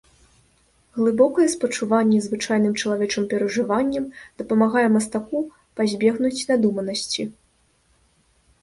Глыбокае спачуванне звычайным чалавечым перажыванням дапамагае мастаку пазбегнуць надуманасці.